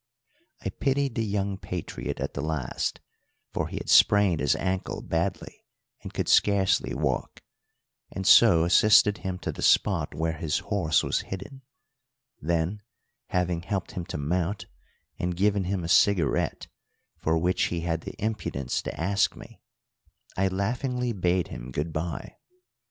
I pitied the young patriot at the last, for he had sprained his ankle badly and could scarcely walk, and so assisted him to the spot where his horse was hidden; then, having helped him to mount and given him a cigarette, for which he had the impudence to ask me, I laughingly bade him good bye.